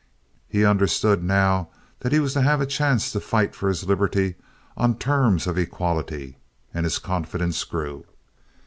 He understood now that he was to have a chance to fight for his liberty on terms of equality and his confidence grew.